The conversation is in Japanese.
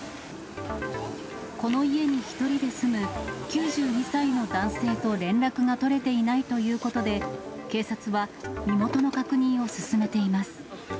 この家に１人で住む９２歳の男性と連絡が取れていないということで、警察は身元の確認を進めています。